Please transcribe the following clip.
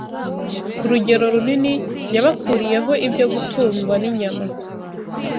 Ku rugero runini, Yabakuriyeho ibyo gutungwa n’inyama